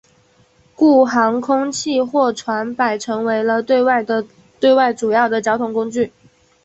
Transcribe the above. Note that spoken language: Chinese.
故航空器或船舶成为了对外主要的交通工具。